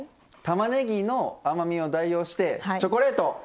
たまねぎの甘みを代用してチョコレート！